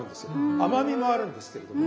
甘みもあるんですけれども。